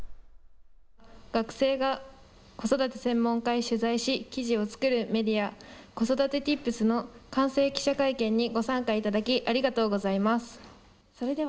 学生が子育て専門家に取材し、記事を作るメディア、子育てＴｉｐｓの完成記者会見にご参加いただきありがとうございます。